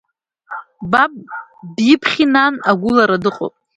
Баб биԥхьи, нан, агәылара дыҟоуп…